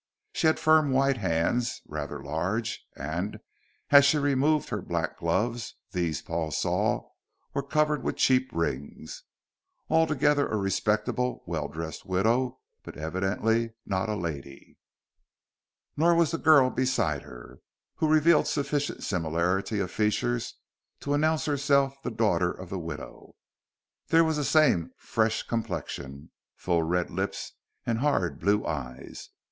She had firm, white hands, rather large, and, as she had removed her black gloves, these, Paul saw, were covered with cheap rings. Altogether a respectable, well dressed widow, but evidently not a lady. Nor was the girl beside her, who revealed sufficient similarity of features to announce herself the daughter of the widow. There was the same fresh complexion, full red lips and hard blue eyes.